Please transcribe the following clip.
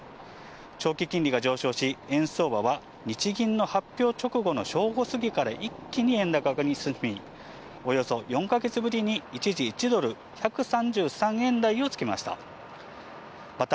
長期金利が上昇し、円相場は日銀の発表直後の正午過ぎから一気に円高が進み、およそ４か月ぶりに一時１ドル１３３円台をつけました。